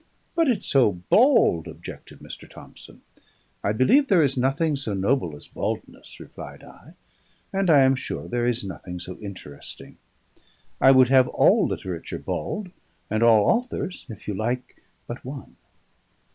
"But it's so bald," objected Mr. Thomson. "I believe there is nothing so noble as baldness," replied I, "and I am sure there is nothing so interesting. I would have all literature bald, and all authors (if you like) but one."